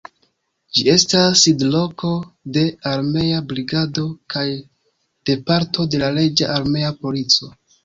Ĝi estas sidloko de armea brigado kaj de parto de la reĝa armea polico.